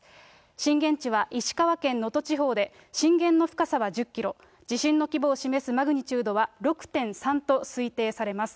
震源地は石川県能登地方で震源の深さは１０キロ、地震の規模を示すマグニチュードは６．３と推定されます。